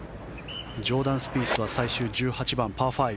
ジョーダン・スピースは最終１８番、パー５。